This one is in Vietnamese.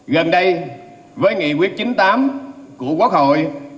gần đây với nghị quyết chín mươi tám của quốc hội